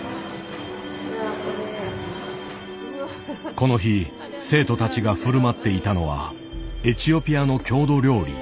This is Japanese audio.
この日生徒たちが振る舞っていたのはエチオピアの郷土料理。